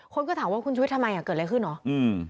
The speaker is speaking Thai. คนก็ถามว่าคุณชุวิตทำไมอ่ะเกิดอะไรขึ้นเหรออืม